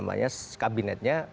maksudnya mengatur kabinetnya